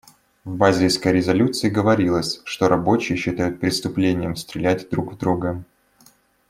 В базельской резолюции говорилось, что рабочие считают преступлением стрелять друг в друга.